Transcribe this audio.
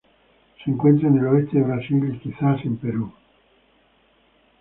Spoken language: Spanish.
Se encuentra en el oeste de Brasil y, quizá, en Perú.